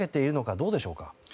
どうでしょうか？